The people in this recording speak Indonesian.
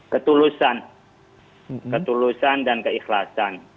ketulusan ketulusan dan keikhlasan